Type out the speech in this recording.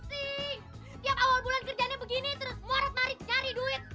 tiap awal bulan kerjanya begini terus morot marit nyari duit